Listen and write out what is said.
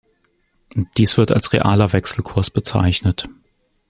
Dies wird als realer Wechselkurs bezeichnet.